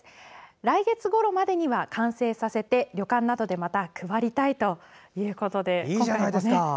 来月ごろまでには完成させて旅館などでまた配りたいということです。